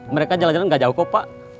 mereka jalan jalan gak jauh kok pak